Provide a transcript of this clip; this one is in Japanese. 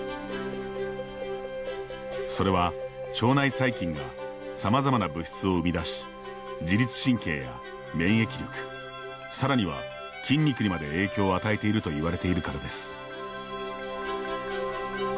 それは、腸内細菌がさまざまな物質を生み出し自律神経や免疫力さらには筋肉にまで影響を与えているといわれているからです。